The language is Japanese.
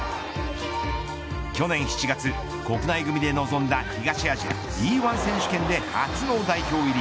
去年７月、国内組で臨んだ東アジアＥ‐１選手権で初の代表入り。